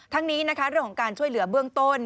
นี้นะคะเรื่องของการช่วยเหลือเบื้องต้น